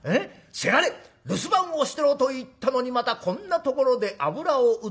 『せがれ留守番をしてろと言ったのにまたこんなところで油を売って』。